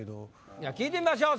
じゃあ聞いてみましょう。